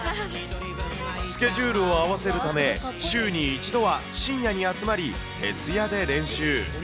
スケジュールを合わせるため、週に１度は深夜に集まり、徹夜で練習。